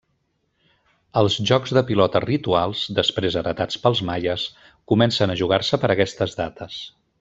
Els jocs de pilota rituals, després heretats pels maies, comencen a jugar-se per aquestes dates.